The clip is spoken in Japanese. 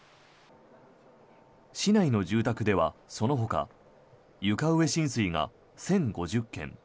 市内の住宅ではそのほか、床上浸水が１０５０軒